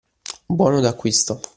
Buono d’acquisto